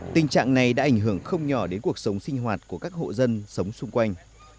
tình trạng này đã ảnh hưởng không nhỏ đến cuộc sống sinh hoạt của các hộ dân sống xung quanh